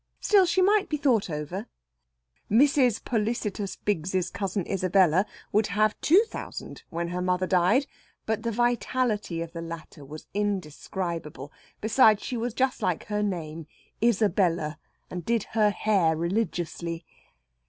Still, she might be thought over. Mrs. Pollicitus Biggs's cousin Isabella would have two thousand when her mother died, but the vitality of the latter was indescribable. Besides, she was just like her name, Isabella, and did her hair religiously.